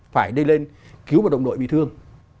phải đi lên cứu một đồng đội bị thương